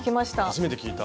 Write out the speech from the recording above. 初めて聞いた。